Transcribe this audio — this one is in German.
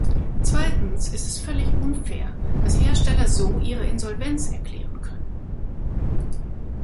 Zweitens ist es völlig unfair, dass Hersteller so ihre Insolvenz erklären können.